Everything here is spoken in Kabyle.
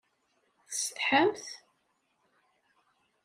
Tessetḥamt?